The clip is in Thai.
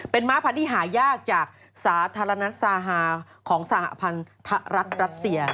เป็นม้าพันธุ์ที่หายากจากสาธารณซาฮาของสหพันธรัฐรัสเซีย